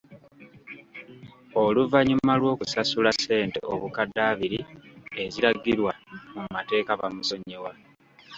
Oluvannyuma lw'okusasula ssente obukadde abiri eziragirwa mu mateeka bamusonyiwa.